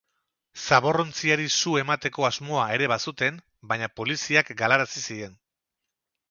Zaborrontziari su emateko asmoa ere bazuten, baina poliziak galarazi zien.